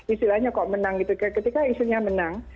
istilahnya kok menang gitu ketika istilahnya menang